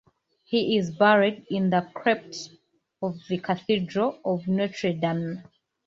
He is buried in the crypt of the Cathedral of Notre-Dame.